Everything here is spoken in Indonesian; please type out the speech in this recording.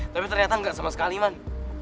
tapi ternyata gak sama sekali man